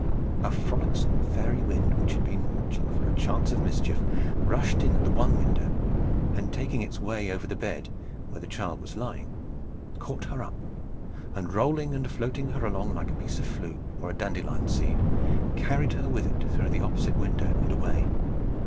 A frolicsome fairy wind, which had been watching for a chance of mischief, rushed in at the one window, and taking its way over the bed where the child was lying, caught her up, and rolling and floating her along like a piece of flue, or a dandelion seed, carried her with it through the opposite window, and away.